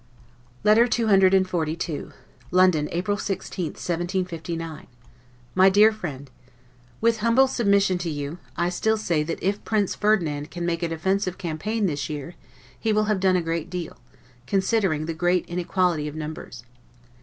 LETTER CCXLII LONDON, April 16, 1759 MY DEAR FRIEND: With humble submission to you, I still say that if Prince Ferdinand can make a defensive campaign this year, he will have done a great deal, considering the great inequality of numbers.